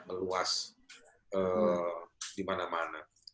meluas di mana mana